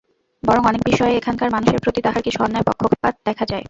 বরং অনেক বিষয়ে এখানকার মানুষের প্রতি তাহার কিছু অন্যায় পক্ষপাত দেখা যায়।